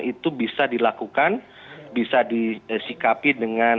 itu bisa dilakukan bisa disikapi dengan